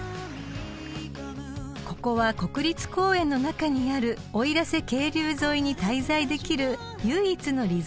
［ここは国立公園の中にある奥入瀬渓流沿いに滞在できる唯一のリゾートホテル］